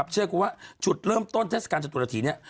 เชื่อว่าจุดเริ่มต้นเทศกาลจตุรฐีเนี่ย